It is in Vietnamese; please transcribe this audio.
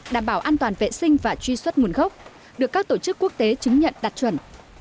đảm bảo an toàn vệ sinh và truy xuất nguồn gốc được các tổ chức quốc tế chứng nhận đạt chuẩn